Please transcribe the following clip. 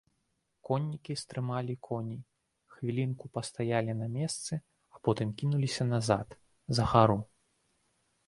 Коннікі стрымалі коней, хвілінку пастаялі на месцы, а потым кінуліся назад, за гару.